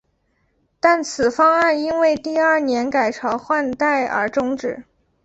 但此方案因为第二年改朝换代而中止。